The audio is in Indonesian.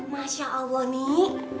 masya allah nii